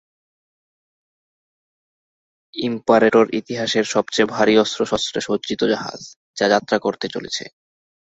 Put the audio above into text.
Imperator ইতিহাসের সবচেয়ে ভারী অস্ত্র-সস্ত্রে সজ্জিত জাহাজ, যা যাত্রা করতে চলেছে।